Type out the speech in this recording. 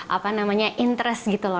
apa namanya interest gitu loh